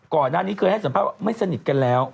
ก่อนหน้านี้เคยให้สัมภาษณ์ไม่สนิทกันแล้ว